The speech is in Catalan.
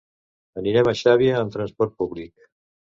Anirem a Xàbia amb transport públic.